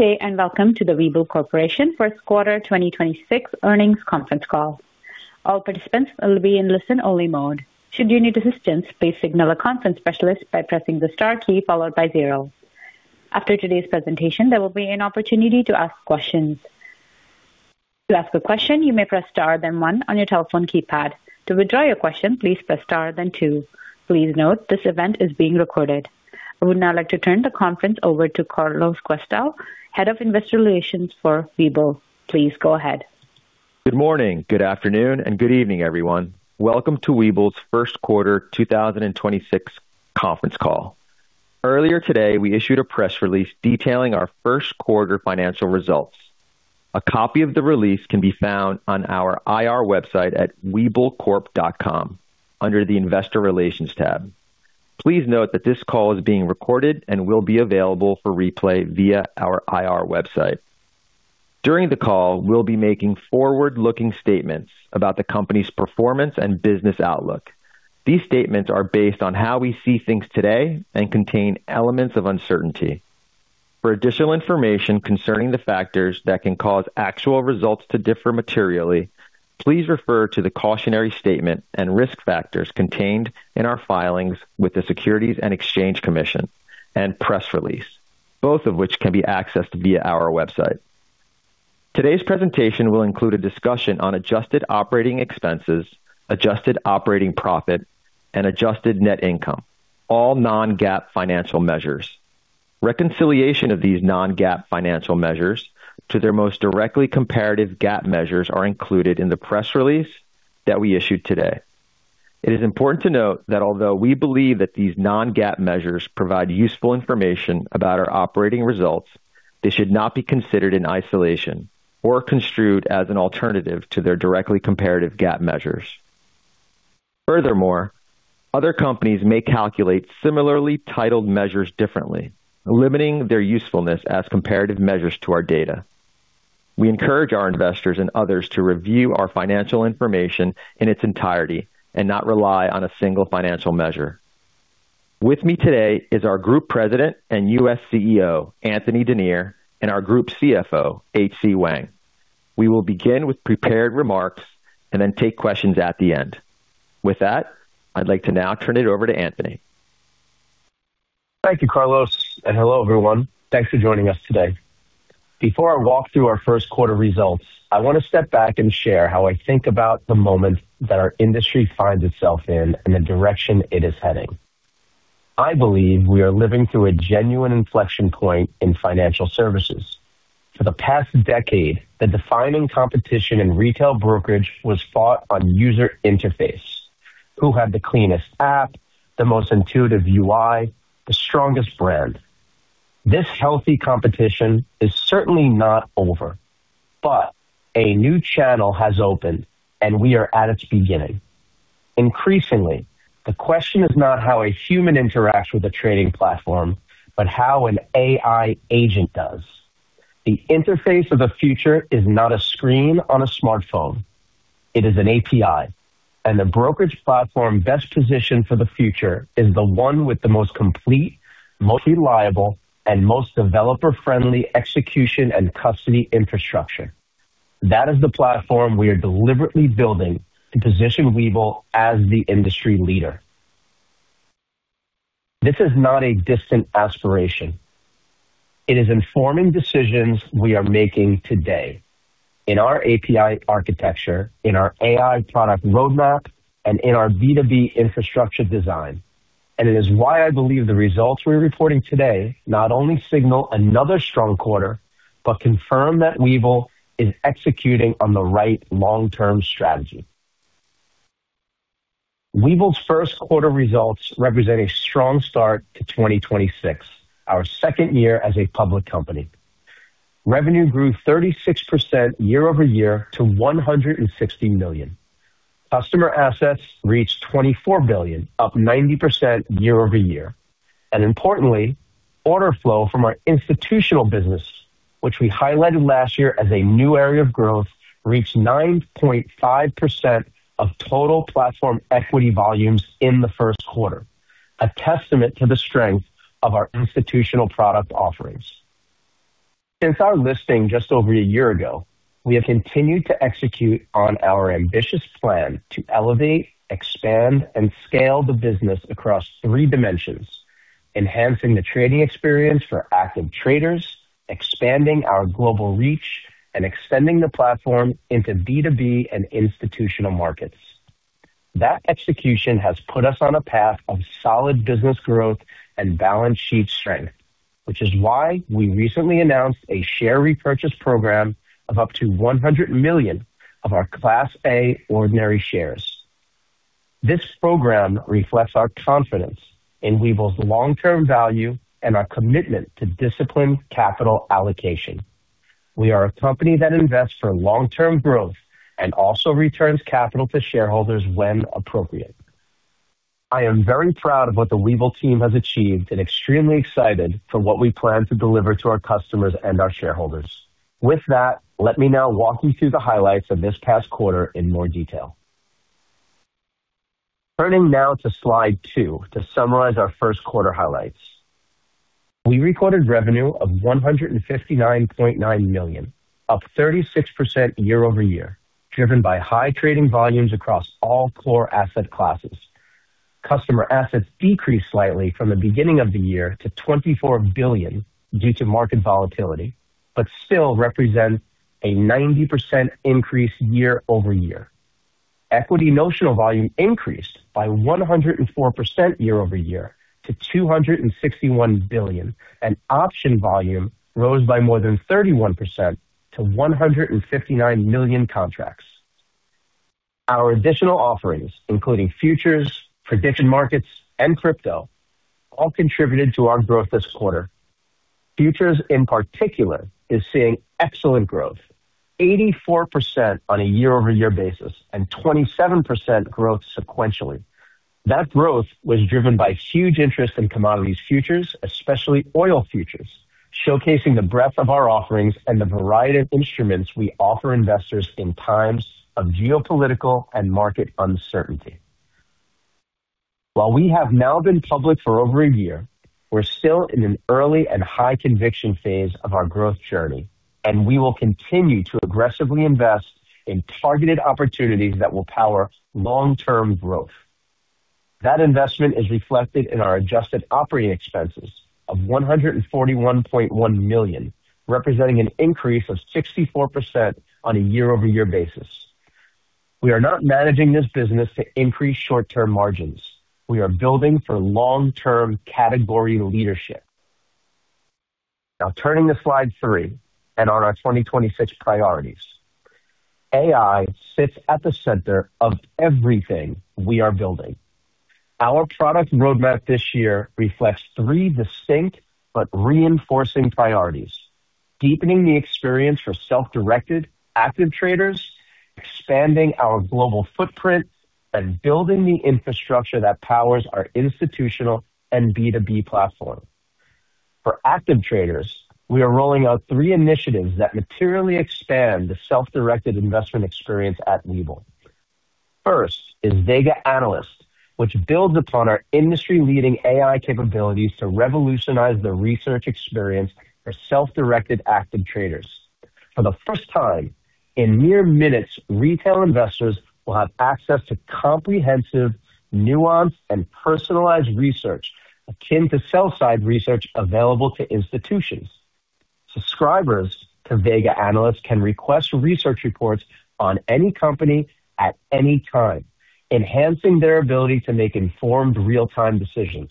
Good day, and welcome to the Webull Corporation first quarter 2026 earnings conference call. All participants will be in listen-only mode. Should you need assistance, please signal a conference specialist by pressing the star key followed by zero. After today's presentation, there will be an opportunity to ask questions. To ask a question, you may press star then one on your telephone keypad. To withdraw your question, please press star, then two. Please note, this event is being recorded. I would now like to turn the conference over to Carlos Questell, head of investor relations for Webull. Please go ahead. Good morning, good afternoon, and good evening, everyone. Welcome to Webull's first quarter 2026 conference call. Earlier today, we issued a press release detailing our first quarter financial results. A copy of the release can be found on our IR website at webullcorp.com under the investor relations tab. Please note that this call is being recorded and will be available for replay via our IR website. During the call, we'll be making forward-looking statements about the company's performance and business outlook. These statements are based on how we see things today and contain elements of uncertainty. For additional information concerning the factors that can cause actual results to differ materially, please refer to the cautionary statement and risk factors contained in our filings with the Securities and Exchange Commission and press release, both of which can be accessed via our website. Today's presentation will include a discussion on adjusted operating expenses, adjusted operating profit, and adjusted net income, all non-GAAP financial measures. Reconciliation of these non-GAAP financial measures to their most directly comparative GAAP measures are included in the press release that we issued today. It is important to note that although we believe that these non-GAAP measures provide useful information about our operating results, they should not be considered in isolation or construed as an alternative to their directly comparative GAAP measures. Other companies may calculate similarly titled measures differently, limiting their usefulness as comparative measures to our data. We encourage our investors and others to review our financial information in its entirety and not rely on a single financial measure. With me today is our Group President and U.S. CEO, Anthony Denier, and our Group CFO, H.C. Wang. We will begin with prepared remarks and then take questions at the end. With that, I'd like to now turn it over to Anthony. Thank you, Carlos. Hello, everyone. Thanks for joining us today. Before I walk through our first quarter results, I want to step back and share how I think about the moment that our industry finds itself in and the direction it is heading. I believe we are living through a genuine inflection point in financial services. For the past decade, the defining competition in retail brokerage was fought on user interface. Who had the cleanest app, the most intuitive UI, the strongest brand. This healthy competition is certainly not over, but a new channel has opened, and we are at its beginning. Increasingly, the question is not how a human interacts with a trading platform, but how an AI agent does. The interface of the future is not a screen on a smartphone, it is an API, and the brokerage platform best positioned for the future is the one with the most complete, most reliable, and most developer-friendly execution and custody infrastructure. That is the platform we are deliberately building to position Webull as the industry leader. This is not a distant aspiration. It is informing decisions we are making today in our API architecture, in our AI product roadmap, and in our B2B infrastructure design. It is why I believe the results we're reporting today not only signal another strong quarter but confirm that Webull is executing on the right long-term strategy. Webull's first quarter results represent a strong start to 2026, our second year as a public company. Revenue grew 36% year-over-year to $160 million. Customer assets reached $24 billion, up 90% year-over-year. Importantly, order flow from our institutional business, which we highlighted last year as a new area of growth, reached 9.5% of total platform equity volumes in the first quarter, a testament to the strength of our institutional product offerings. Since our listing just over a year ago, we have continued to execute on our ambitious plan to elevate, expand, and scale the business across three dimensions, enhancing the trading experience for active traders, expanding our global reach, and extending the platform into B2B and institutional markets. That execution has put us on a path of solid business growth and balance sheet strength, which is why we recently announced a share repurchase program of up to $100 million of our Class A ordinary shares. This program reflects our confidence in Webull's long-term value and our commitment to disciplined capital allocation. We are a company that invests for long-term growth and also returns capital to shareholders when appropriate. I am very proud of what the Webull team has achieved and extremely excited for what we plan to deliver to our customers and our shareholders. With that, let me now walk you through the highlights of this past quarter in more detail. Turning now to slide two to summarize our first quarter highlights. We recorded revenue of $159.9 million, up 36% year-over-year, driven by high trading volumes across all core asset classes. Customer assets decreased slightly from the beginning of the year to $24 billion due to market volatility, but still represent a 90% increase year-over-year. Equity notional volume increased by 104% year-over-year to $261 billion, and option volume rose by more than 31% to 159 million contracts. Our additional offerings, including futures, prediction markets, and crypto, all contributed to our growth this quarter. Futures in particular is seeing excellent growth, 84% on a year-over-year basis and 27% growth sequentially. That growth was driven by huge interest in commodities futures, especially oil futures, showcasing the breadth of our offerings and the variety of instruments we offer investors in times of geopolitical and market uncertainty. While we have now been public for over a year, we're still in an early and high conviction phase of our growth journey, and we will continue to aggressively invest in targeted opportunities that will power long-term growth. That investment is reflected in our adjusted operating expenses of $141.1 million, representing an increase of 64% on a year-over-year basis. We are not managing this business to increase short-term margins. We are building for long-term category leadership. Turning to slide three and on our 2026 priorities. AI sits at the center of everything we are building. Our product roadmap this year reflects three distinct but reinforcing priorities, deepening the experience for self-directed active traders, expanding our global footprint, and building the infrastructure that powers our institutional and B2B platform. For active traders, we are rolling out three initiatives that materially expand the self-directed investment experience at Webull. First is Vega Analyst, which builds upon our industry-leading AI capabilities to revolutionize the research experience for self-directed active traders. For the first time, in mere minutes, retail investors will have access to comprehensive, nuanced, and personalized research akin to sell-side research available to institutions. Subscribers to Vega Analyst can request research reports on any company at any time, enhancing their ability to make informed real-time decisions.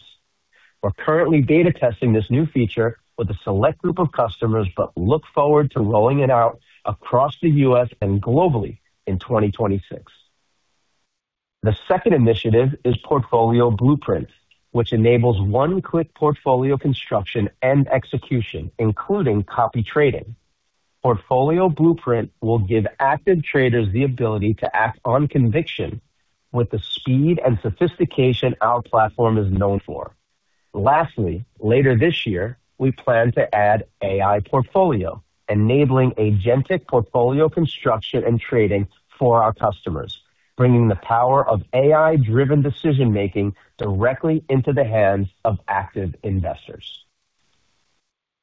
We're currently data testing this new feature with a select group of customers but look forward to rolling it out across the U.S. and globally in 2026. The second initiative is Portfolio Blueprint, which enables one-click portfolio construction and execution, including copy trading. Portfolio Blueprint will give active traders the ability to act on conviction with the speed and sophistication our platform is known for. Lastly, later this year, we plan to add AI Portfolio, enabling agentic portfolio construction and trading for our customers, bringing the power of AI-driven decision-making directly into the hands of active investors.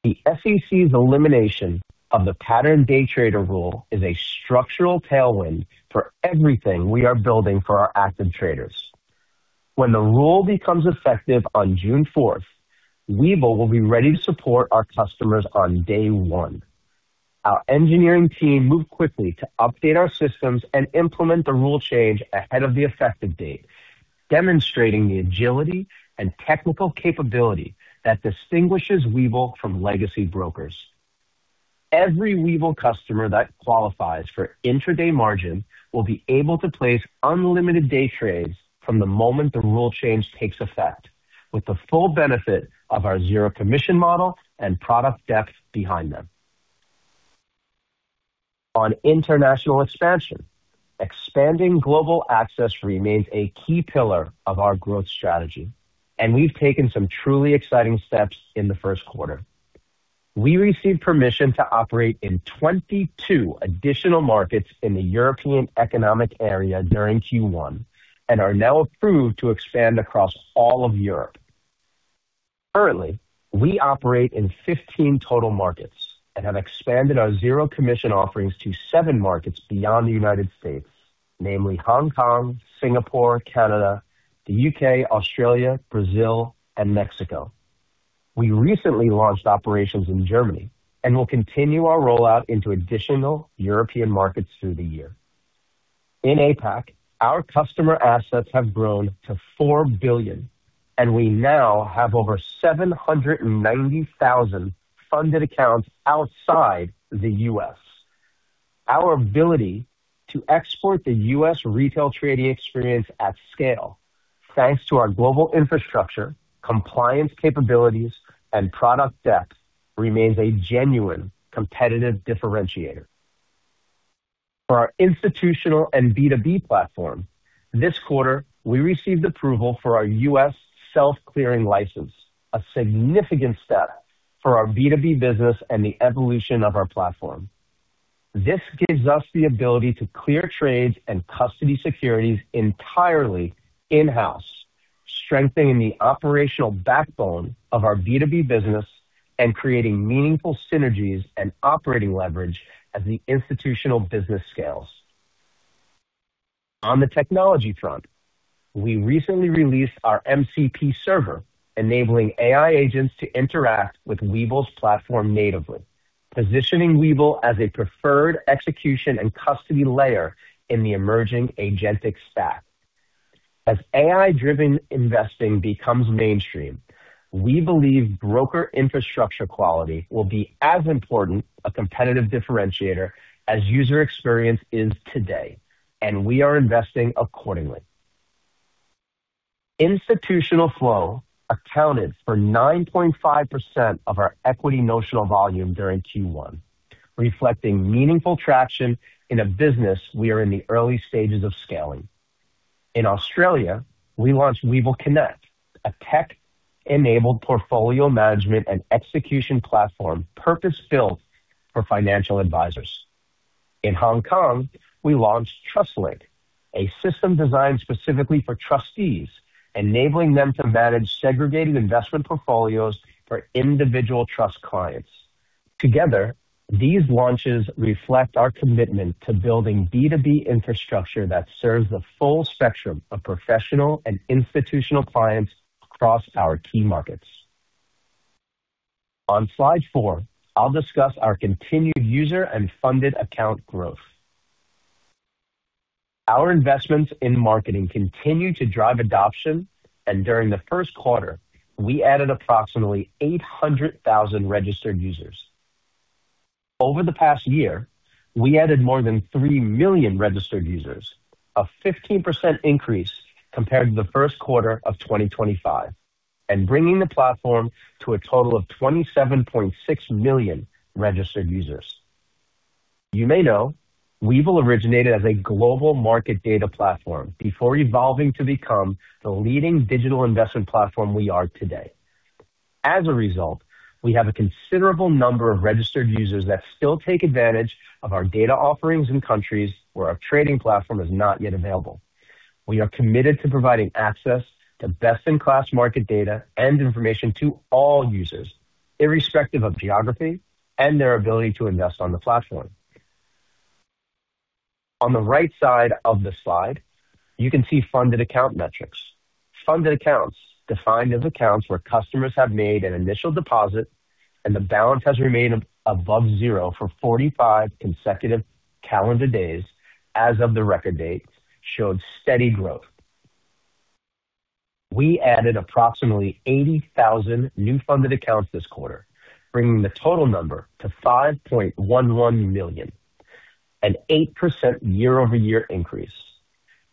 The SEC's elimination of the pattern day trader rule is a structural tailwind for everything we are building for our active traders. When the rule becomes effective on June 4th, Webull will be ready to support our customers on day one. Our engineering team moved quickly to update our systems and implement the rule change ahead of the effective date, demonstrating the agility and technical capability that distinguishes Webull from legacy brokers. Every Webull customer that qualifies for intraday margin will be able to place unlimited day trades from the moment the rule change takes effect with the full benefit of our zero commission model and product depth behind them. On international expansion, expanding global access remains a key pillar of our growth strategy, and we've taken some truly exciting steps in the first quarter. We received permission to operate in 22 additional markets in the European Economic Area during Q1 and are now approved to expand across all of Europe. Currently, we operate in 15 total markets and have expanded our zero commission offerings to seven markets beyond the United States, namely Hong Kong, Singapore, Canada, the U.K., Australia, Brazil, and Mexico. We recently launched operations in Germany and will continue our rollout into additional European markets through the year. In APAC, our customer assets have grown to $4 billion, and we now have over 790,000 funded accounts outside the U.S. Our ability to export the U.S. retail trading experience at scale, thanks to our global infrastructure, compliance capabilities, and product depth, remains a genuine competitive differentiator. For our institutional and B2B platform, this quarter, we received approval for our U.S. self-clearing license, a significant step for our B2B business and the evolution of our platform. This gives us the ability to clear trades and custody securities entirely in-house, strengthening the operational backbone of our B2B business and creating meaningful synergies and operating leverage as the institutional business scales. On the technology front, we recently released our Webull MCP Server, enabling AI agents to interact with Webull's platform natively, positioning Webull as a preferred execution and custody layer in the emerging agentic stack. As AI-driven investing becomes mainstream, we believe broker infrastructure quality will be as important a competitive differentiator as user experience is today, and we are investing accordingly. Institutional flow accounted for 9.5% of our equity notional volume during Q1, reflecting meaningful traction in a business we are in the early stages of scaling. In Australia, we launched Webull Connect, a tech-enabled portfolio management and execution platform purpose-built for financial advisors. In Hong Kong, we launched Trust Link, a system designed specifically for trustees, enabling them to manage segregated investment portfolios for individual trust clients. Together, these launches reflect our commitment to building B2B infrastructure that serves the full spectrum of professional and institutional clients across our key markets. On slide four, I'll discuss our continued user and funded account growth. Our investments in marketing continue to drive adoption, and during the first quarter, we added approximately 800,000 registered users. Over the past year, we added more than three million registered users, a 15% increase compared to the first quarter of 2025, and bringing the platform to a total of 27.6 million registered users. You may know Webull originated as a global market data platform before evolving to become the leading digital investment platform we are today. As a result, we have a considerable number of registered users that still take advantage of our data offerings in countries where our trading platform is not yet available. We are committed to providing access to best-in-class market data and information to all users, irrespective of geography and their ability to invest on the platform. On the right side of the slide, you can see funded account metrics. Funded accounts, defined as accounts where customers have made an initial deposit and the balance has remained above zero for 45 consecutive calendar days as of the record date, showed steady growth. We added approximately 80,000 new funded accounts this quarter, bringing the total number to 5.11 million, an 8% year-over-year increase.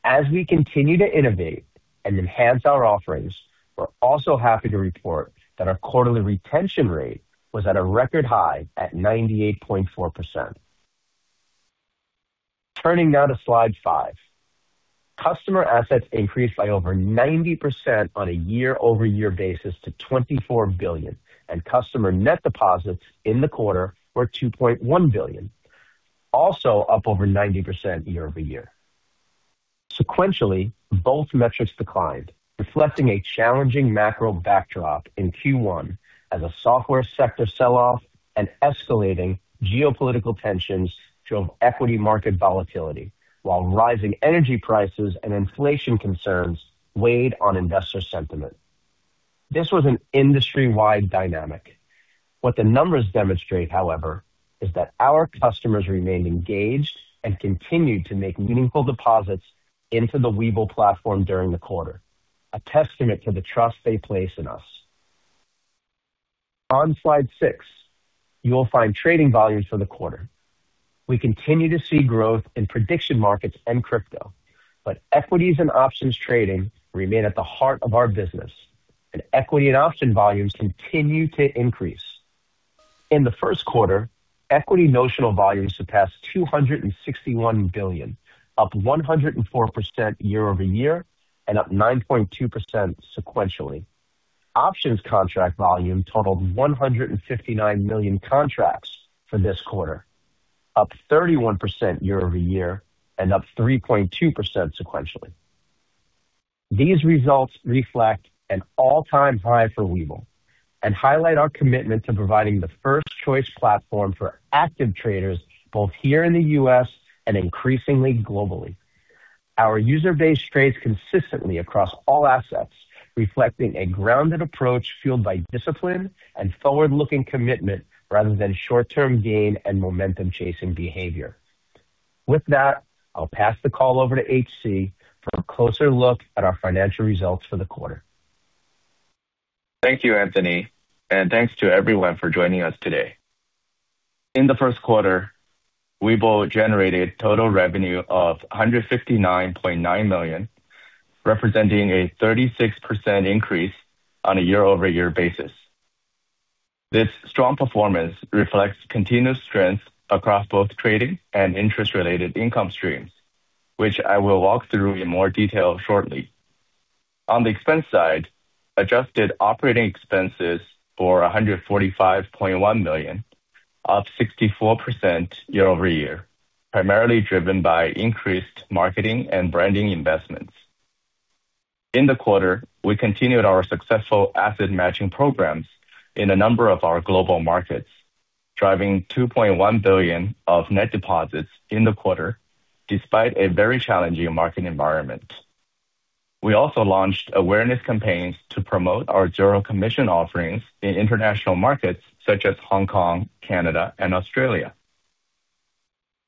As we continue to innovate and enhance our offerings, we're also happy to report that our quarterly retention rate was at a record high at 98.4%. Turning now to slide five. Customer assets increased by over 90% on a year-over-year basis to $24 billion, and customer net deposits in the quarter were $2.1 billion, also up over 90% year-over-year. Sequentially, both metrics declined, reflecting a challenging macro backdrop in Q1 as a software sector sell-off and escalating geopolitical tensions drove equity market volatility while rising energy prices and inflation concerns weighed on investor sentiment. This was an industry-wide dynamic. What the numbers demonstrate, however, is that our customers remained engaged and continued to make meaningful deposits into the Webull platform during the quarter, a testament to the trust they place in us. On slide six, you will find trading volumes for the quarter. We continue to see growth in prediction markets and crypto, but equities and options trading remain at the heart of our business, and equity and option volumes continue to increase. In the first quarter, equity notional volumes surpassed $261 billion, up 104% year-over-year and up 9.2% sequentially. Options contract volume totaled 159 million contracts for this quarter, up 31% year-over-year and up 3.2% sequentially. These results reflect an all-time high for Webull and highlight our commitment to providing the first-choice platform for active traders, both here in the U.S. and increasingly globally. Our user base trades consistently across all assets, reflecting a grounded approach fueled by discipline and forward-looking commitment rather than short-term gain and momentum-chasing behavior. With that, I'll pass the call over to H.C. for a closer look at our financial results for the quarter. Thank you, Anthony, and thanks to everyone for joining us today. In the first quarter, Webull generated total revenue of $159.9 million, representing a 36% increase on a year-over-year basis. This strong performance reflects continuous strength across both trading and interest-related income streams, which I will walk through in more detail shortly. On the expense side, adjusted operating expenses for $145.1 million, up 64% year-over-year, primarily driven by increased marketing and branding investments. In the quarter, we continued our successful asset-matching programs in a number of our global markets, driving $2.1 billion of net deposits in the quarter, despite a very challenging market environment. We also launched awareness campaigns to promote our zero commission offerings in international markets such as Hong Kong, Canada, and Australia.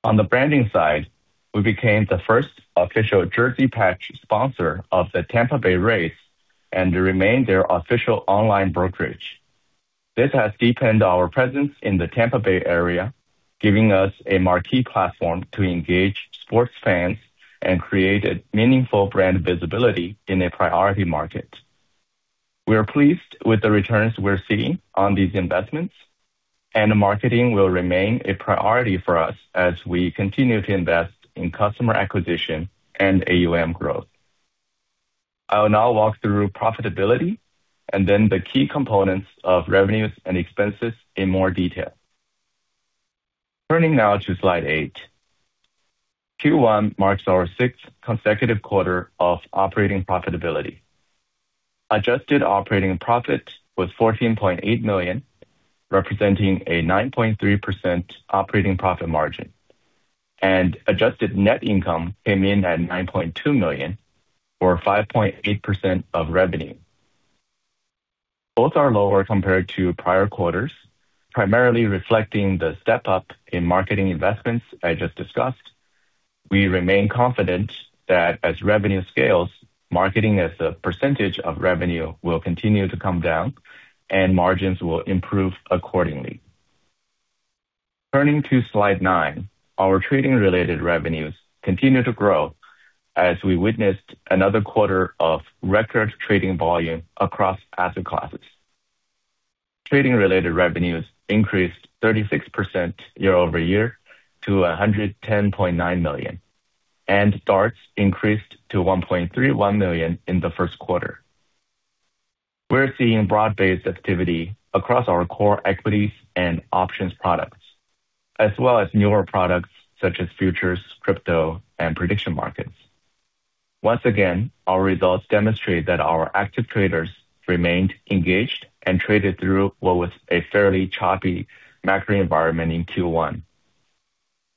On the branding side, we became the first official jersey patch sponsor of the Tampa Bay Rays and remain their official online brokerage. This has deepened our presence in the Tampa Bay area, giving us a marquee platform to engage sports fans and create a meaningful brand visibility in a priority market. We are pleased with the returns we're seeing on these investments, and marketing will remain a priority for us as we continue to invest in customer acquisition and AUM growth. I will now walk through profitability and then the key components of revenues and expenses in more detail. Turning now to slide eight. Q1 marks our sixth consecutive quarter of operating profitability. Adjusted operating profit was $14.8 million, representing a 9.3% operating profit margin, and adjusted net income came in at $9.2 million, or 5.8% of revenue. Both are lower compared to prior quarters, primarily reflecting the step-up in marketing investments I just discussed. We remain confident that as revenue scales, marketing as a percentage of revenue will continue to come down, and margins will improve accordingly. Turning to slide nine. Our trading-related revenues continue to grow as we witnessed another quarter of record trading volume across asset classes. Trading-related revenues increased 36% year-over-year to $110.9 million, and DARTs increased to $1.31 million in the first quarter. We're seeing broad-based activity across our core equities and options products, as well as newer products such as futures, crypto, and prediction markets. Once again, our results demonstrate that our active traders remained engaged and traded through what was a fairly choppy macro environment in Q1.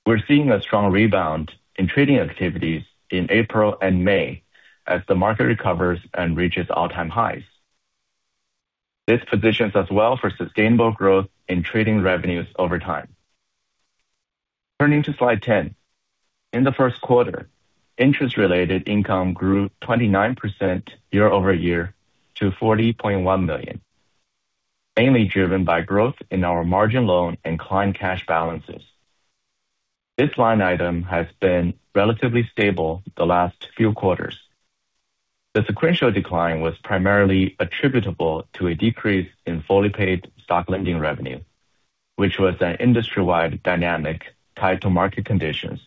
We're seeing a strong rebound in trading activities in April and May as the market recovers and reaches all-time highs. This positions us well for sustainable growth in trading revenues over time. Turning to slide 10. In the first quarter, interest-related income grew 29% year-over-year to $40.1 million, mainly driven by growth in our margin loan and client cash balances. This line item has been relatively stable the last few quarters. The sequential decline was primarily attributable to a decrease in fully paid stock lending revenue, which was an industry-wide dynamic tied to market conditions,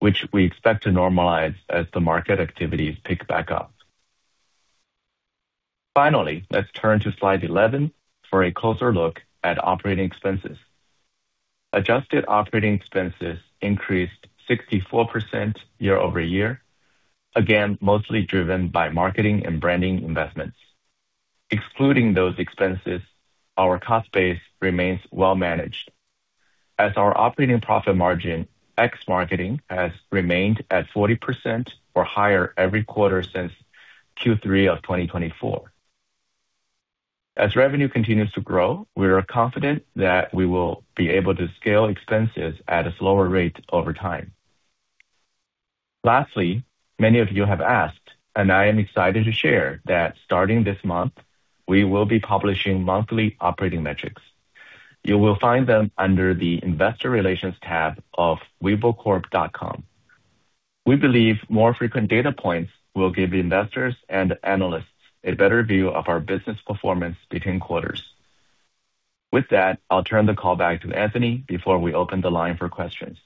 which we expect to normalize as the market activities pick back up. Finally, let's turn to slide 11 for a closer look at operating expenses. Adjusted operating expenses increased 64% year-over-year, again, mostly driven by marketing and branding investments. Excluding those expenses, our cost base remains well managed, as our operating profit margin ex marketing has remained at 40% or higher every quarter since Q3 of 2024. As revenue continues to grow, we are confident that we will be able to scale expenses at a slower rate over time. Lastly, many of you have asked, and I am excited to share that starting this month, we will be publishing monthly operating metrics. You will find them under the investor relations tab of webullcorp.com. We believe more frequent data points will give investors and analysts a better view of our business performance between quarters. With that, I'll turn the call back to Anthony before we open the line for questions.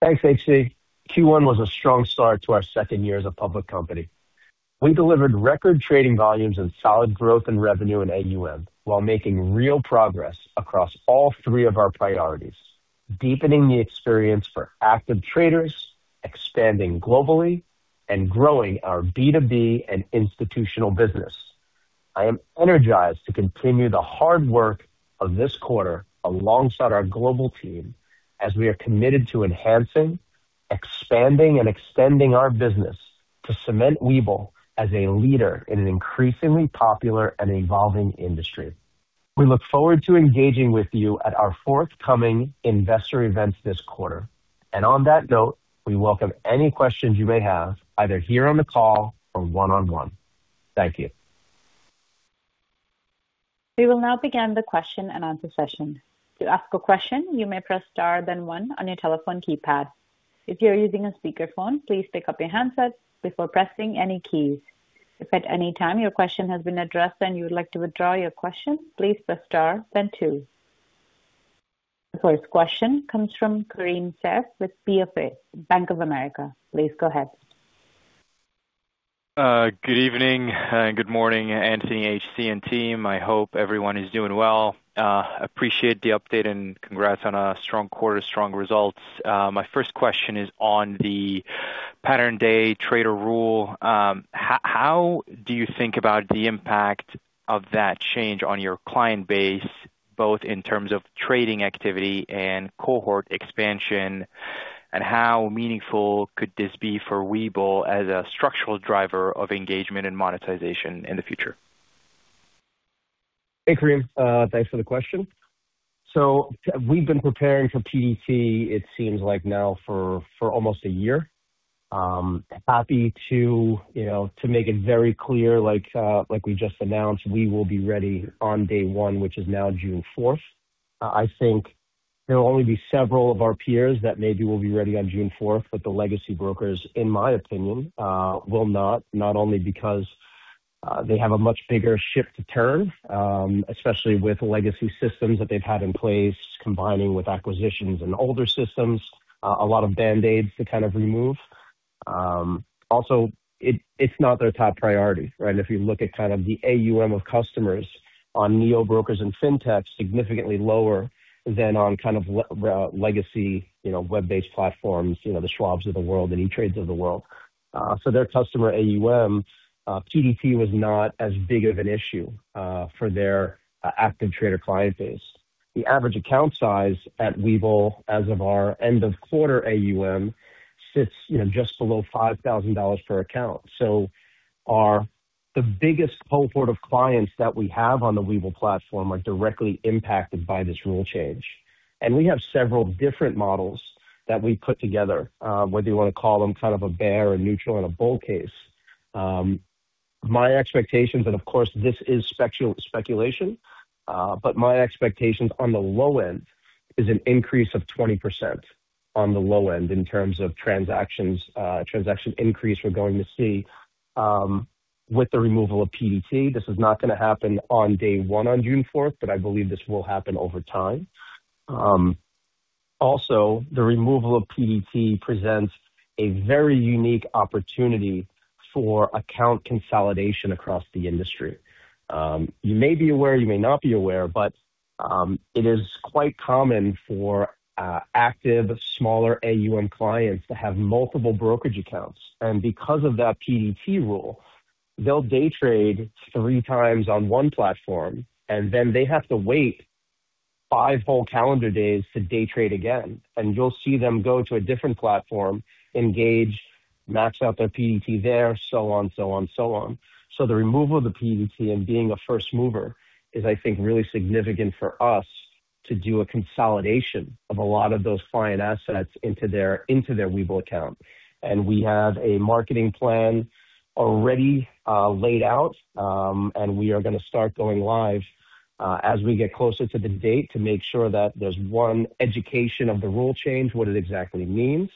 Thanks, H.C. Q1 was a strong start to our second year as a public company. We delivered record trading volumes and solid growth in revenue and AUM while making real progress across all three of our priorities, deepening the experience for active traders, expanding globally, and growing our B2B and institutional business. I am energized to continue the hard work of this quarter alongside our global team as we are committed to enhancing, expanding, and extending our business to cement Webull as a leader in an increasingly popular and evolving industry. We look forward to engaging with you at our forthcoming investor events this quarter. On that note, we welcome any questions you may have, either here on the call or one-on-one. Thank you. We'll now begin the question and answer session. To ask a question, you may press star, then one on your telephone keypad. If you are using a speakerphone, please pick up your handset before pressing any keys. If at any time your question has been addressed and you would like to withdraw your question, please press star, then two. The first question comes from Karim Assef with BofA Securities. Please go ahead. Good evening and good morning, Anthony, H.C., and team. I hope everyone is doing well. Appreciate the update and congrats on a strong quarter, strong results. My first question is on the pattern day trader rule. How do you think about the impact of that change on your client base, both in terms of trading activity and cohort expansion? How meaningful could this be for Webull as a structural driver of engagement and monetization in the future? Hey, Karim. Thanks for the question. We've been preparing for PDT, it seems like now for almost a year. Happy to make it very clear, like we just announced, we will be ready on day one, which is now June 4th. I think there will only be several of our peers that maybe will be ready on June 4th, but the legacy brokers, in my opinion, will not. Not only because they have a much bigger ship to turn, especially with legacy systems that they've had in place, combining with acquisitions and older systems, a lot of band-aids to kind of remove. Also, it's not their top priority, right? If you look at kind of the AUM of customers on neo-brokers and FinTechs, significantly lower than on kind of legacy web-based platforms, the Schwabs of the world, the E*TRADEs of the world. Their customer AUM, PDT was not as big of an issue for their active trader client base. The average account size at Webull as of our end of quarter AUM sits just below $5,000 per account. The biggest cohort of clients that we have on the Webull platform are directly impacted by this rule change. We have several different models that we put together, whether you want to call them kind of a bear, a neutral, and a bull case. My expectations, and of course, this is speculation, but my expectations on the low end is an increase of 20% on the low end in terms of transaction increase we're going to see with the removal of PDT. This is not going to happen on day one on June 4th, but I believe this will happen over time. The removal of PDT presents a very unique opportunity for account consolidation across the industry. You may be aware, you may not be aware, but it is quite common for active, smaller AUM clients to have multiple brokerage accounts. Because of that PDT rule, they'll day trade three times on one platform, and then they have to wait five full calendar days to day trade again, and you'll see them go to a different platform, engage, max out their PDT there, so on. The removal of the PDT and being a first mover is, I think, really significant for us to do a consolidation of a lot of those client assets into their Webull account. We have a marketing plan already laid out, and we are going to start going live as we get closer to the date to make sure that there's one education of the rule change, what it exactly means.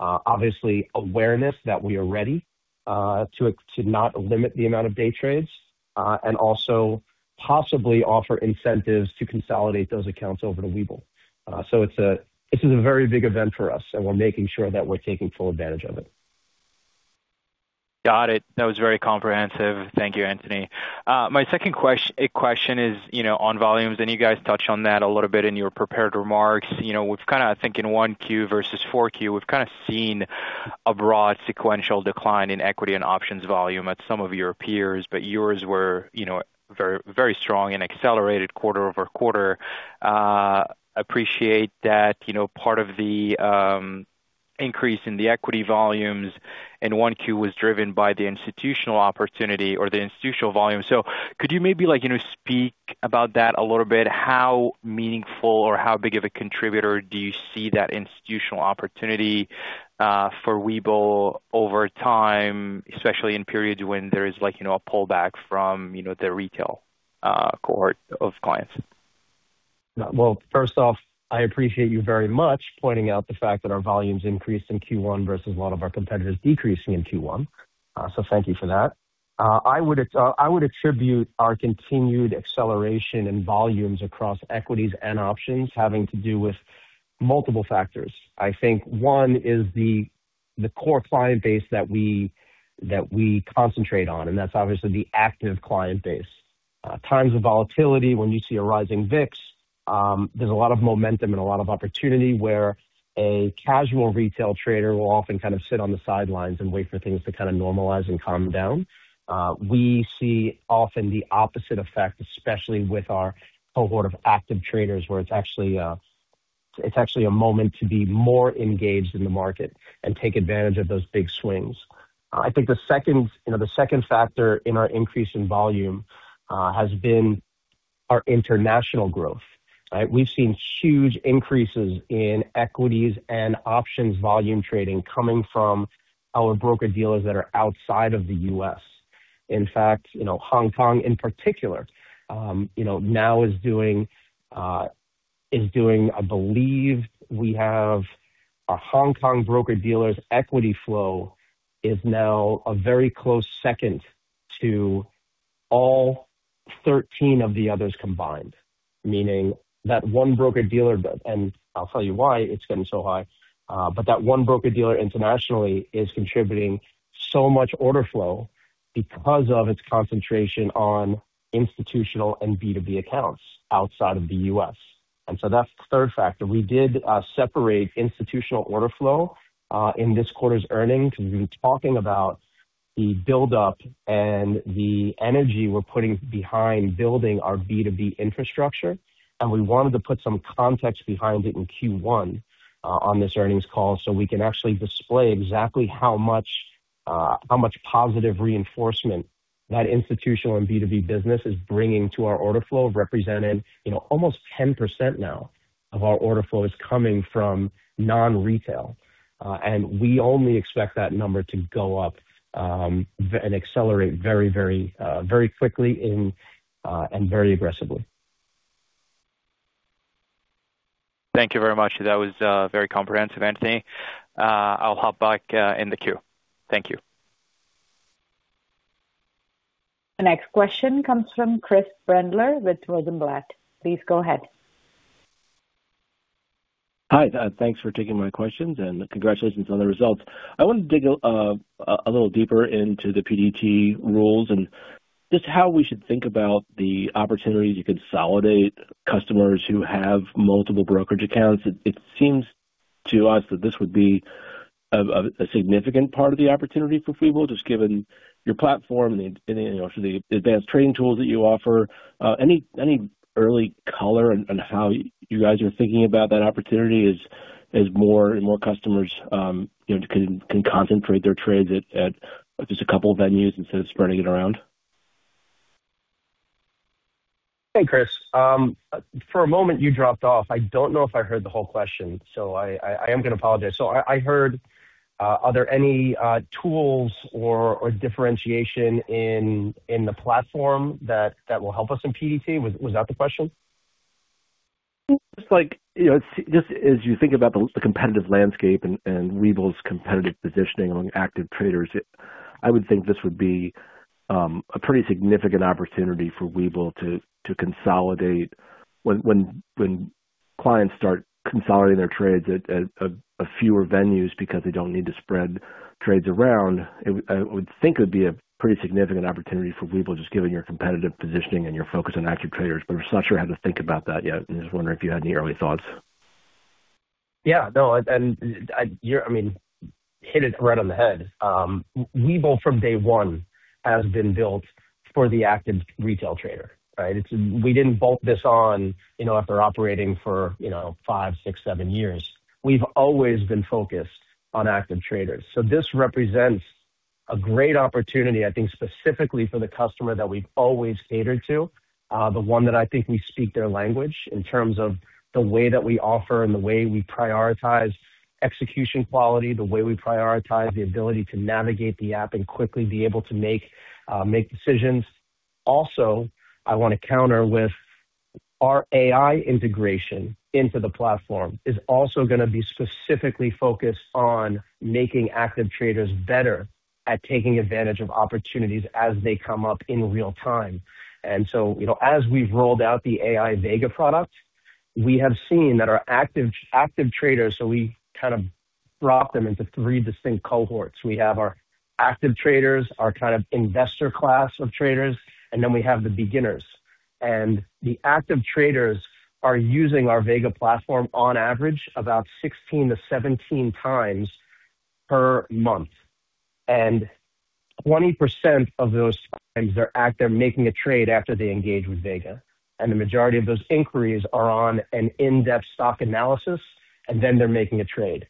Obviously awareness that we are ready to not limit the amount of day trades, and also possibly offer incentives to consolidate those accounts over to Webull. This is a very big event for us, and we're making sure that we're taking full advantage of it. Got it. That was very comprehensive. Thank you, Anthony. My second question is on volumes, you guys touched on that a little bit in your prepared remarks. I think in 1Q versus 4Q, we've kind of seen a broad sequential decline in equity and options volume at some of your peers, but yours were very strong and accelerated quarter-over-quarter. Appreciate that part of the increase in the equity volumes in 1Q was driven by the institutional opportunity or the institutional volume. Could you maybe speak about that a little bit? How meaningful or how big of a contributor do you see that institutional opportunity for Webull over time, especially in periods when there is a pullback from the retail cohort of clients? Well, first off, I appreciate you very much pointing out the fact that our volumes increased in Q1 versus a lot of our competitors decreasing in Q1. Thank you for that. I would attribute our continued acceleration in volumes across equities and options having to do with multiple factors. I think one is the core client base that we concentrate on, and that's obviously the active client base. Times of volatility, when you see a rising VIX, there's a lot of momentum and a lot of opportunity where a casual retail trader will often kind of sit on the sidelines and wait for things to kind of normalize and calm down. We see often the opposite effect, especially with our cohort of active traders, where it's actually a moment to be more engaged in the market and take advantage of those big swings. I think the second factor in our increase in volume has been our international growth, right? We've seen huge increases in equities and options volume trading coming from our broker-dealers that are outside of the U.S. In fact, Hong Kong in particular, now is doing, I believe we have a Hong Kong broker-dealer's equity flow is now a very close second to all 13 of the others combined, meaning that one broker-dealer, and I'll tell you why it's getting so high, but that one broker-dealer internationally is contributing so much order flow because of its concentration on institutional and B2B accounts outside of the U.S. That's the third factor. We did separate institutional order flow in this quarter's earnings because we've been talking about the build-up and the energy we're putting behind building our B2B infrastructure, and we wanted to put some context behind it in Q1 on this earnings call so we can actually display exactly how much positive reinforcement that institutional and B2B business is bringing to our order flow, representing almost 10% now of our order flow is coming from non-retail. We only expect that number to go up and accelerate very quickly and very aggressively. Thank you very much. That was very comprehensive, Anthony. I'll hop back in the queue. Thank you. The next question comes from Chris Brendler with Rosenblatt. Please go ahead. Hi. Thanks for taking my questions, and congratulations on the results. I wanted to dig a little deeper into the PDT rules and just how we should think about the opportunities you consolidate customers who have multiple brokerage accounts. It seems to us that this would be a significant part of the opportunity for Webull, just given your platform and the advanced trading tools that you offer. Any early color on how you guys are thinking about that opportunity as more and more customers can concentrate their trades at just a couple of venues instead of spreading it around? Hey, Chris. For a moment you dropped off. I don't know if I heard the whole question, I am going to apologize. I heard are there any tools or differentiation in the platform that will help us in PDT? Was that the question? Just as you think about the competitive landscape and Webull's competitive positioning among active traders, I would think this would be a pretty significant opportunity for Webull to consolidate. When clients start consolidating their trades at fewer venues because they don't need to spread trades around, I would think it would be a pretty significant opportunity for Webull, just given your competitive positioning and your focus on active traders. I'm just not sure how to think about that yet, and I was just wondering if you had any early thoughts. Yeah. No, you hit it right on the head. Webull, from day one, has been built for the active retail trader, right? We didn't bolt this on after operating for five, six, seven years. We've always been focused on active traders. This represents a great opportunity, I think, specifically for the customer that we've always catered to, the one that I think we speak their language in terms of the way that we offer and the way we prioritize execution quality, the way we prioritize the ability to navigate the app and quickly be able to make decisions. Also, I want to counter with our AI integration into the platform is also going to be specifically focused on making active traders better at taking advantage of opportunities as they come up in real-time. As we've rolled out the AI Vega product, we have seen that our active traders, so we kind of brought them into three distinct cohorts. We have our active traders, our kind of investor class of traders, and then we have the beginners. The active traders are using our Vega platform on average about 16-17 times per month. 20% of those times, they're making a trade after they engage with Vega. The majority of those inquiries are on an in-depth stock analysis, and then they're making a trade.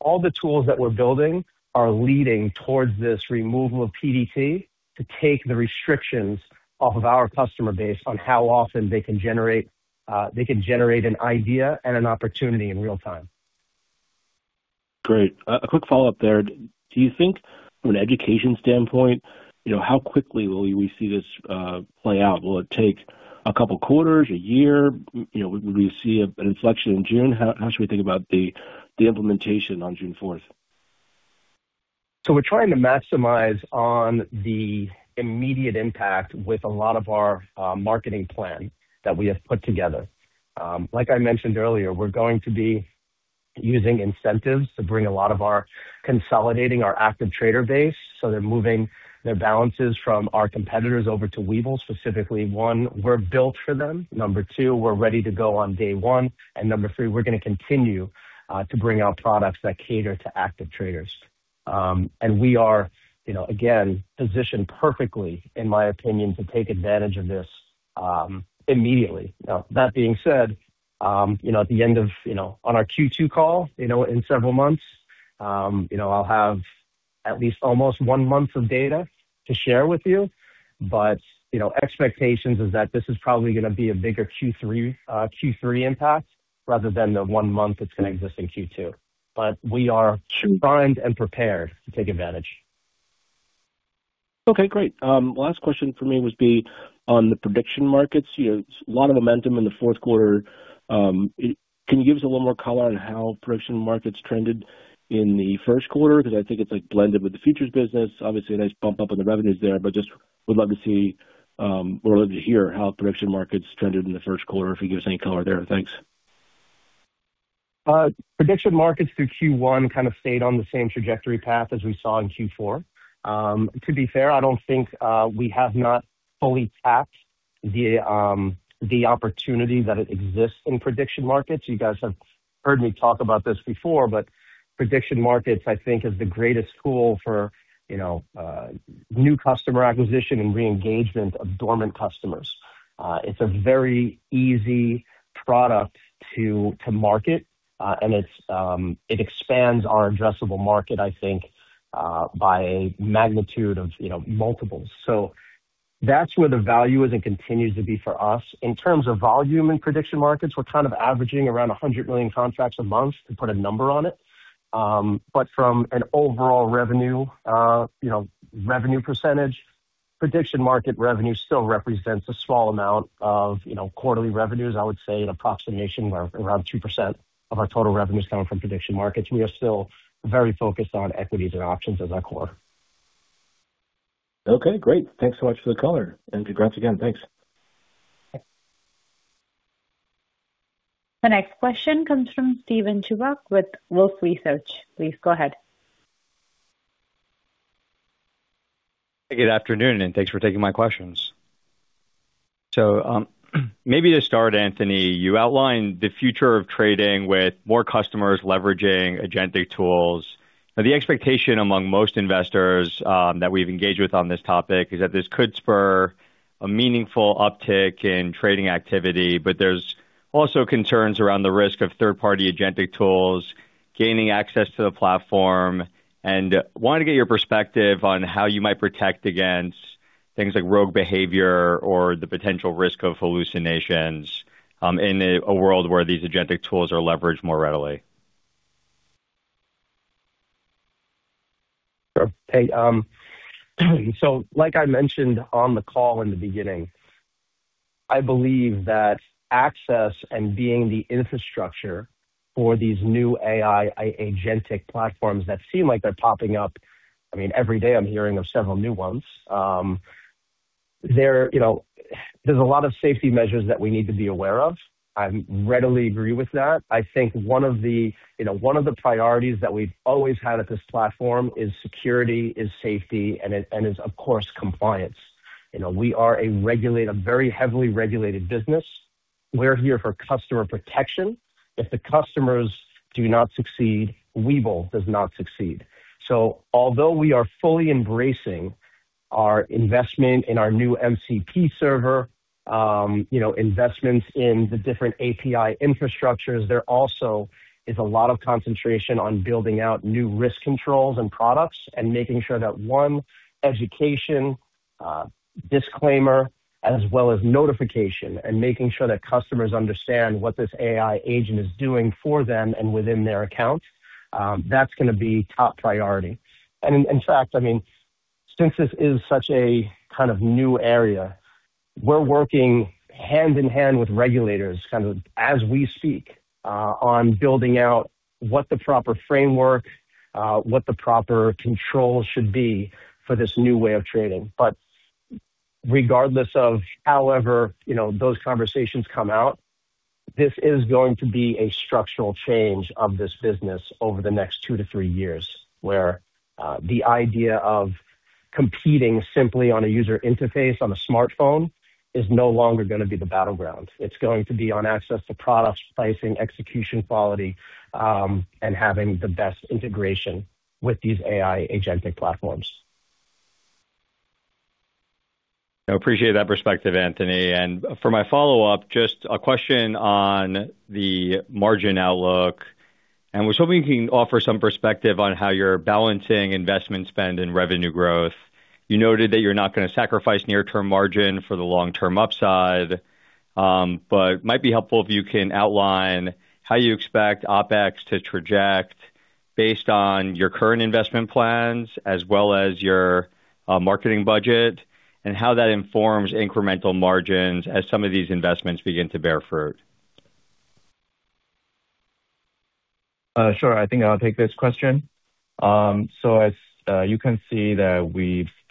All the tools that we're building are leading towards this removal of PDT to take the restrictions off of our customer base on how often they can generate an idea and an opportunity in real-time. Great. A quick follow-up there. Do you think from an education standpoint, how quickly will we see this play out? Will it take a couple of quarters, a year? Will we see an inflection in June? How should we think about the implementation on June 4th? We're trying to maximize on the immediate impact with a lot of our marketing plan that we have put together. Like I mentioned earlier, we're going to be using incentives to bring consolidating our active trader base, so they're moving their balances from our competitors over to Webull, specifically, one, we're built for them, two, we're ready to go on day one, and three, we're going to continue to bring out products that cater to active traders. We are, again, positioned perfectly, in my opinion, to take advantage of this immediately. That being said, at the end of our Q2 call, in several months, I'll have at least almost one month of data to share with you. Expectations is that this is probably going to be a bigger Q3 impact rather than the one month that's going to exist in Q2. We are primed and prepared to take advantage. Okay, great. Last question for me would be on the prediction markets. A lot of momentum in the fourth quarter. Can you give us a little more color on how prediction markets trended in the first quarter? I think it's blended with the futures business. Obviously, a nice bump up in the revenues there, but just would love to see or love to hear how prediction markets trended in the first quarter, if you can give us any color there. Thanks. Prediction markets through Q1 kind of stayed on the same trajectory path as we saw in Q4. To be fair, I don't think we have not fully tapped the opportunity that exists in prediction markets. You guys have heard me talk about this before, prediction markets, I think, is the greatest tool for new customer acquisition and re-engagement of dormant customers. It's a very easy product to market, and it expands our addressable market, I think, by a magnitude of multiples. That's where the value is and continues to be for us. In terms of volume in prediction markets, we're kind of averaging around 100 million contracts a month, to put a number on it. From an overall revenue percentage, prediction market revenue still represents a small amount of quarterly revenues. I would say an approximation where around 2% of our total revenues coming from prediction markets. We are still very focused on equities and options as our core. Okay, great. Thanks so much for the color, and congrats again. Thanks. The next question comes from Steven Chubak with Wolfe Research. Please go ahead. Good afternoon, and thanks for taking my questions. Maybe to start, Anthony, you outlined the future of trading with more customers leveraging agentic tools. The expectation among most investors that we've engaged with on this topic is that this could spur a meaningful uptick in trading activity, but there's also concerns around the risk of third-party agentic tools gaining access to the platform, and wanted to get your perspective on how you might protect against things like rogue behavior or the potential risk of hallucinations in a world where these agentic tools are leveraged more readily. Sure thing. Like I mentioned on the call in the beginning, I believe that access and being the infrastructure for these new AI agentic platforms that seem like they're popping up, I mean, every day I'm hearing of several new ones. There is a lot of safety measures that we need to be aware of. I readily agree with that. I think one of the priorities that we've always had at this platform is security, is safety, and is, of course, compliance. We are a very heavily regulated business. We're here for customer protection. If the customers do not succeed, Webull does not succeed. Although we are fully embracing our investment in our new MCP Server, investments in the different API infrastructures, there also is a lot of concentration on building out new risk controls and products, and making sure that, one, education, disclaimer, as well as notification, and making sure that customers understand what this AI agent is doing for them and within their account. That's going to be top priority. In fact, since this is such a kind of new area, we're working hand-in-hand with regulators as we speak on building out what the proper framework, what the proper controls should be for this new way of trading. Regardless of however those conversations come out, this is going to be a structural change of this business over the next two to three years, where the idea of competing simply on a user interface on a smartphone is no longer going to be the battleground. It's going to be on access to products, pricing, execution quality, and having the best integration with these AI agentic platforms. I appreciate that perspective, Anthony. For my follow-up, just a question on the margin outlook, and was hoping you can offer some perspective on how you're balancing investment spend and revenue growth. You noted that you're not going to sacrifice near-term margin for the long-term upside. Might be helpful if you can outline how you expect OpEx to traject based on your current investment plans as well as your marketing budget, and how that informs incremental margins as some of these investments begin to bear fruit. Sure. I think I'll take this question. As you can see,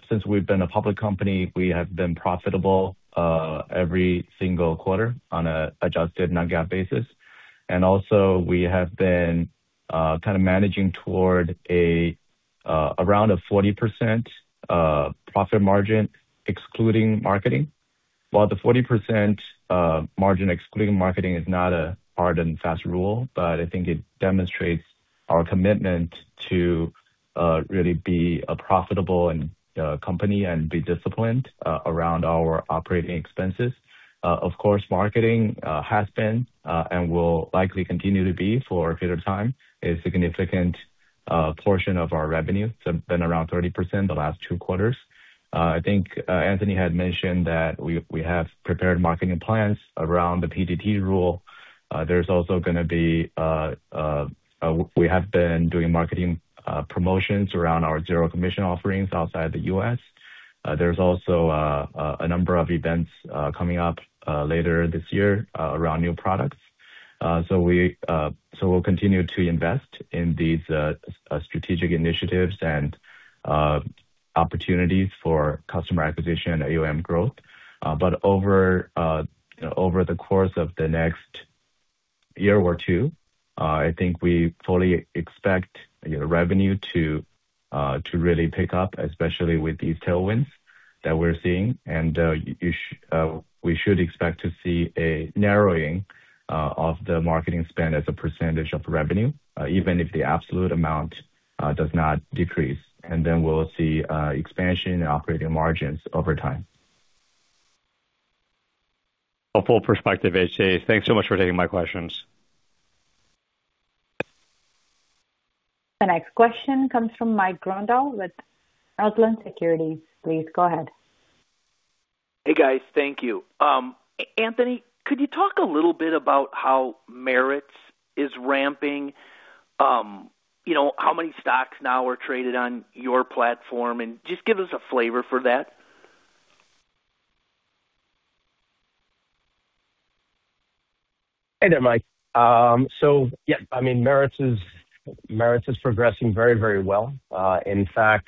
since we've been a public company, we have been profitable every single quarter on an adjusted non-GAAP basis. Also, we have been kind of managing toward around a 40% profit margin, excluding marketing. While the 40% margin excluding marketing is not a hard and fast rule, but I think it demonstrates our commitment to really be a profitable company and be disciplined around our operating expenses. Of course, marketing has been, and will likely continue to be for a period of time, a significant portion of our revenue. It's been around 30% the last two quarters. I think Anthony had mentioned that we have prepared marketing plans around the PDT rule. We have been doing marketing promotions around our zero commission offerings outside the U.S. There's also a number of events coming up later this year around new products. We'll continue to invest in these strategic initiatives and opportunities for customer acquisition and AUM growth. Over the course of the next year or two, I think I fully expect revenue to really pick up, especially with these tailwinds that we're seeing. We should expect to see a narrowing of the marketing spend as a percentage of revenue, even if the absolute amount does not decrease. Then we'll see expansion in operating margins over time. A full perspective, H.C. Thanks so much for taking my questions. The next question comes from Mike Grondahl with Northland Securities. Please go ahead. Hey, guys. Thank you. Anthony, could you talk a little bit about how Meritz is ramping? How many stocks now are traded on your platform? Just give us a flavor for that. Hey there, Mike. Yeah, Meritz is progressing very well. In fact,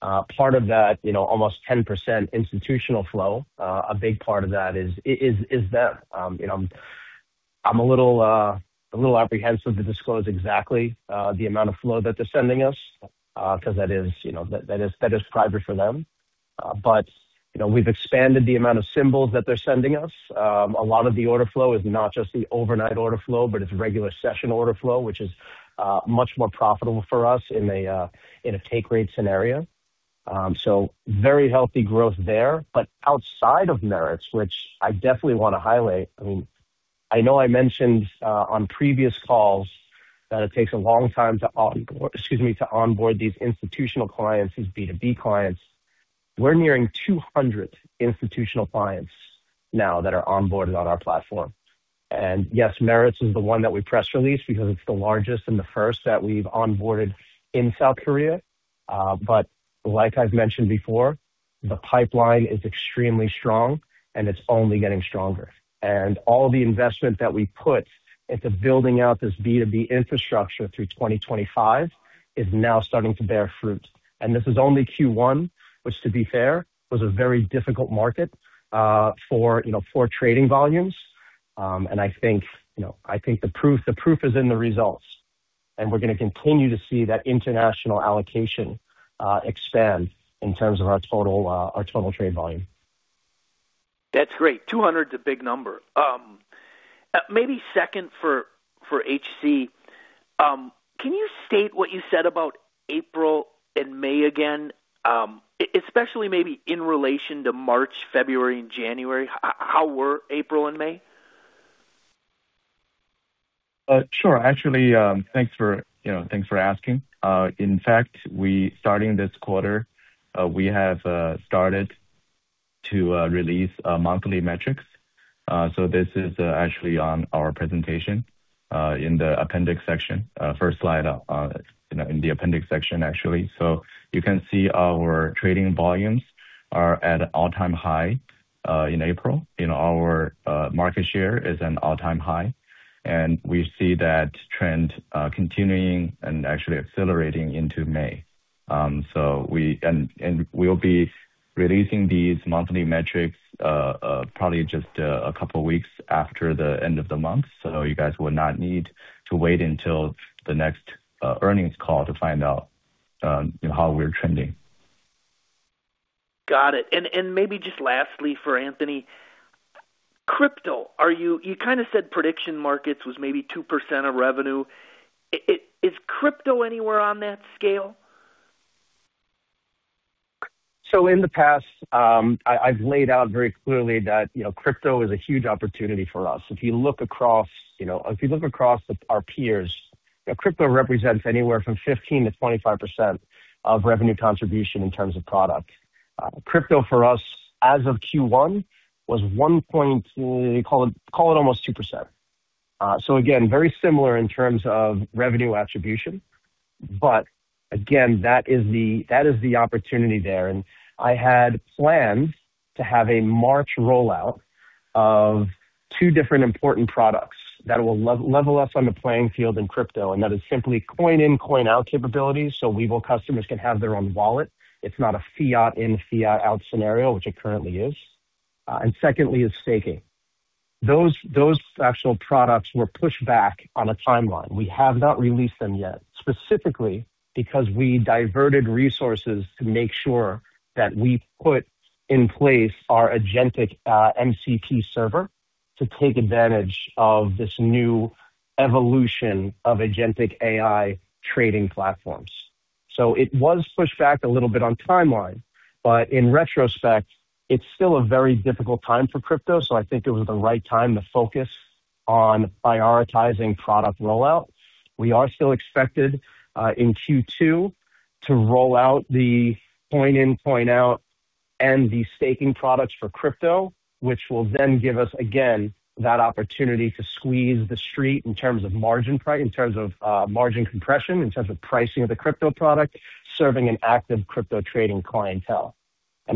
part of that almost 10% institutional flow, a big part of that is them. I'm a little apprehensive to disclose exactly the amount of flow that they're sending us, because that is private for them. We've expanded the amount of symbols that they're sending us. A lot of the order flow is not just the overnight order flow, but it's regular session order flow, which is much more profitable for us in a take rate scenario. Very healthy growth there. Outside of Meritz, which I definitely want to highlight, I know I mentioned on previous calls that it takes a long time to onboard these institutional clients, these B2B clients. We're nearing 200 institutional clients now that are onboarded on our platform. Yes, Meritz is the one that we press released because it's the largest and the first that we've onboarded in South Korea. Like I've mentioned before, the pipeline is extremely strong and it's only getting stronger. All the investment that we put into building out this B2B infrastructure through 2025 is now starting to bear fruit. This is only Q1, which, to be fair, was a very difficult market for trading volumes. I think the proof is in the results, and we're going to continue to see that international allocation expand in terms of our total trade volume. That's great. 200 is a big number. Maybe second for H.C., can you state what you said about April and May again? Especially maybe in relation to March, February, and January, how were April and May? Sure. Actually, thanks for asking. In fact, starting this quarter, we have started to release monthly metrics. This is actually on our presentation in the appendix section. First slide in the appendix section, actually. You can see our trading volumes are at an all-time high in April, and our market share is an all-time high. We see that trend continuing and actually accelerating into May. We'll be releasing these monthly metrics probably just a couple weeks after the end of the month. You guys will not need to wait until the next earnings call to find out how we're trending. Got it. Maybe just lastly for Anthony, crypto. You said prediction markets was maybe 2% of revenue. Is crypto anywhere on that scale? In the past, I've laid out very clearly that crypto is a huge opportunity for us. If you look across our peers, crypto represents anywhere from 15%-25% of revenue contribution in terms of product. Crypto for us as of Q1 was, call it almost 2%. Very similar in terms of revenue attribution. That is the opportunity there. I had planned to have a March rollout of two different important products that will level us on the playing field in crypto, and that is simply coin in, coin out capabilities, so Webull customers can have their own wallet. It's not a fiat in, fiat out scenario, which it currently is. Secondly is staking. Those actual products were pushed back on a timeline. We have not released them yet, specifically because we diverted resources to make sure that we put in place our agentic MCP Server to take advantage of this new evolution of agentic AI trading platforms. It was pushed back a little bit on timeline, but in retrospect, it's still a very difficult time for crypto, so I think it was the right time to focus on prioritizing product rollout. We are still expected in Q2 to roll out the coin in, coin out and the staking products for crypto, which will then give us, again, that opportunity to squeeze the street in terms of margin compression, in terms of pricing of the crypto product, serving an active crypto trading clientele.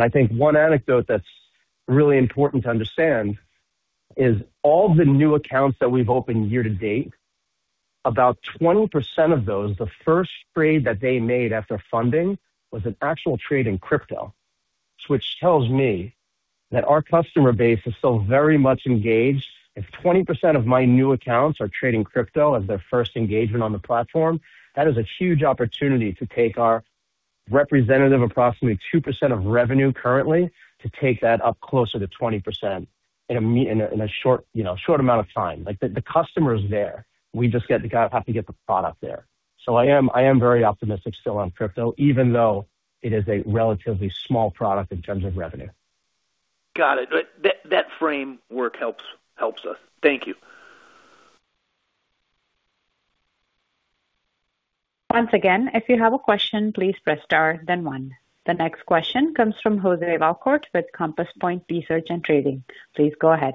I think one anecdote that's really important to understand is all the new accounts that we've opened year to date, about 20% of those, the first trade that they made after funding was an actual trade in crypto, which tells me that our customer base is still very much engaged. If 20% of my new accounts are trading crypto as their first engagement on the platform, that is a huge opportunity to take our representative approximately 2% of revenue currently to take that up closer to 20% in a short amount of time. The customer's there. We just have to get the product there. I am very optimistic still on crypto, even though it is a relatively small product in terms of revenue. Got it. That framework helps us. Thank you. Once again, if you have a question, please press star then one. The next question comes from Jose Valcourt with Compass Point Research & Trading. Please go ahead.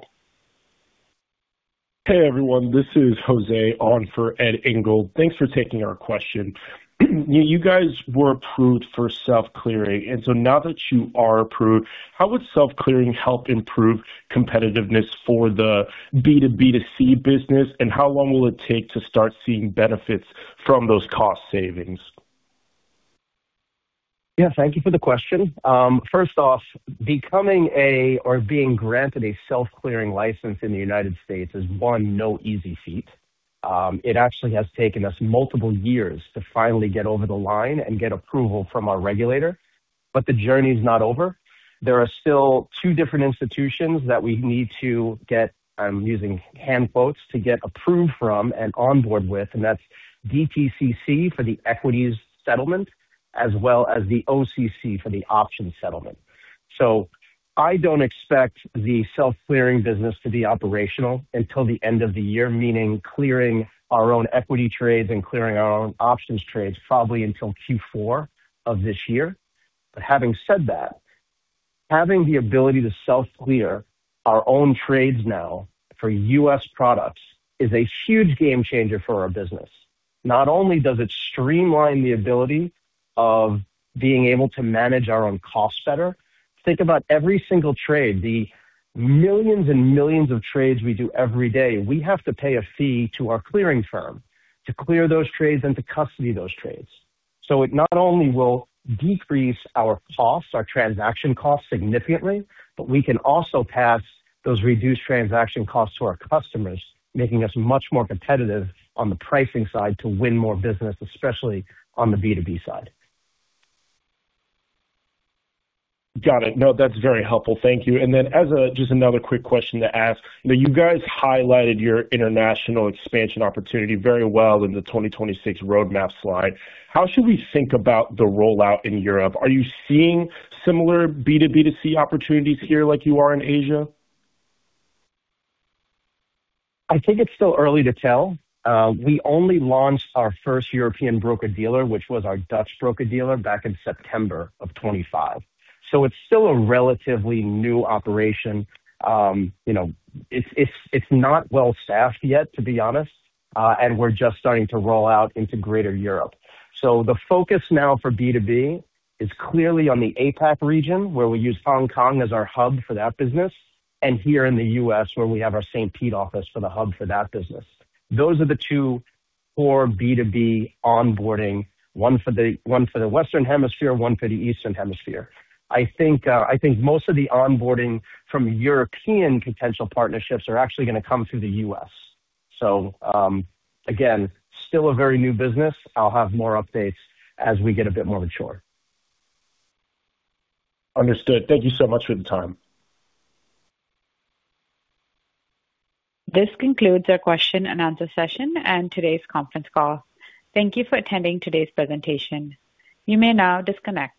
Hey, everyone. This is Jose on for Ed Engel. Thanks for taking our question. You guys were approved for self-clearing, and so now that you are approved, how would self-clearing help improve competitiveness for the B2B2C business, and how long will it take to start seeing benefits from those cost savings? Yeah, thank you for the question. First off, becoming a or being granted a self-clearing license in the U.S. is, one, no easy feat. It actually has taken us multiple years to finally get over the line and get approval from our regulator, but the journey's not over. There are still two different institutions that we need to get, I'm using hand quotes, "to get approved from" and onboard with, and that's DTCC for the equities settlement as well as the OCC for the option settlement. I don't expect the self-clearing business to be operational until the end of the year, meaning clearing our own equity trades and clearing our own options trades probably until Q4 of this year. Having said that, having the ability to self-clear our own trades now for U.S. products is a huge game changer for our business. Not only does it streamline the ability of being able to manage our own costs better, think about every single trade, the millions and millions of trades we do every day. We have to pay a fee to our clearing firm to clear those trades and to custody those trades. It not only will decrease our costs, our transaction costs significantly, but we can also pass those reduced transaction costs to our customers, making us much more competitive on the pricing side to win more business, especially on the B2B side. Got it. No, that's very helpful. Thank you. As just another quick question to ask, you guys highlighted your international expansion opportunity very well in the 2026 roadmap slide. How should we think about the rollout in Europe? Are you seeing similar B2B2C opportunities here like you are in Asia? I think it's still early to tell. We only launched our first European broker-dealer, which was our Dutch broker-dealer back in September of 2025. It's still a relatively new operation. It's not well-staffed yet, to be honest, and we're just starting to roll out into Greater Europe. The focus now for B2B is clearly on the APAC region, where we use Hong Kong as our hub for that business, and here in the U.S., where we have our St. Pete office for the hub for that business. Those are the two for B2B onboarding, one for the Western Hemisphere, one for the Eastern Hemisphere. I think most of the onboarding from European potential partnerships are actually going to come through the U.S. Again, still a very new business. I'll have more updates as we get a bit more mature. Understood. Thank you so much for the time. This concludes our question and answer session and today's conference call. Thank you for attending today's presentation. You may now disconnect.